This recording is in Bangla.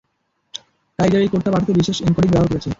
কাইযার এই কোডটা পাঠাতে বিশেষ এনকোডিং ব্যবহার করেছে।